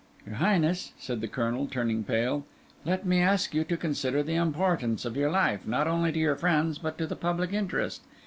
"Your Highness," said the Colonel, turning pale; "let me ask you to consider the importance of your life, not only to your friends, but to the public interest.